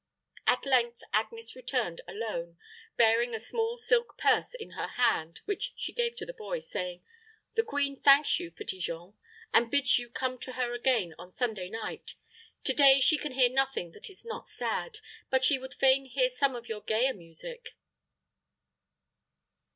At length Agnes returned alone, bearing a small silk purse in her hand, which she gave to the boy, saying, "The queen thanks you, Petit Jean; and bids you come to her again on Sunday night. To day she can hear nothing that is not sad; but she would fain hear some of your gayer music."